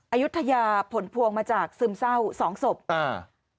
อายุทยาผลพวงมาจากซึมเศร้าสองศพอ่า